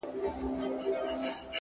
• په داسي خوب ویده دی چي راویښ به نه سي،